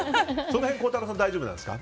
その辺、孝太郎さんは大丈夫なんですか？